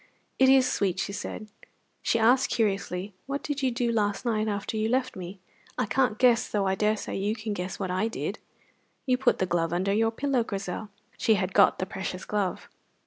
"It is sweet," she said. She asked curiously: "What did you do last night, after you left me? I can't guess, though I daresay you can guess what I did." "You put the glove under your pillow, Grizel." (She had got the precious glove.)